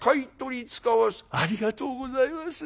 「ありがとうございます。